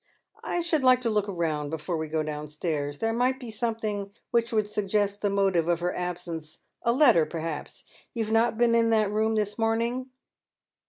" I should like to look round before we go downstairs, lliere might be something which would suggest the motive of her absence — a letter perhaps. You have not been in that room this morning?